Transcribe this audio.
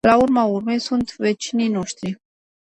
La urma urmei, sunt vecinii noștri.